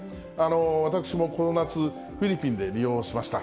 私もこの夏、フィリピンで利用しました。